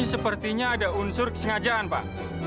sepertinya ada unsur kesengajaan pak